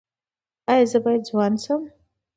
ایا زه باید ځوان شم؟